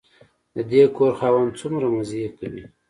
د دې کور خاوند څومره مزې کوي.